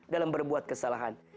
dalam berbuat kesalahan